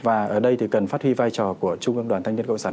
và ở đây thì cần phát huy vai trò của trung ương đoàn thanh niên cộng sản